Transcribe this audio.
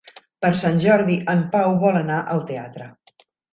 Per Sant Jordi en Pau vol anar al teatre.